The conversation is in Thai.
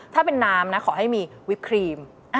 ถ้าเป็นน้ำนะขอให้มีวิปครีม